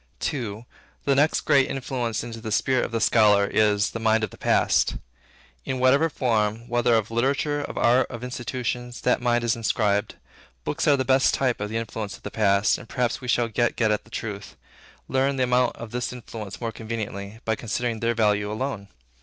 II. The next great influence into the spirit of the scholar, is, the mind of the Past, in whatever form, whether of literature, of art, of institutions, that mind is inscribed. Books are the best type of the influence of the past, and perhaps we shall get at the truth, learn the amount of this influence more conveniently, by considering their value alone.